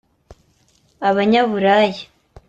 Abanyaburaya